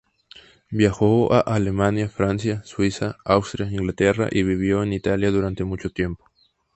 Viajó a Alemania, Francia, Suiza, Austria, Inglaterra y vivió en Italia durante mucho tiempo.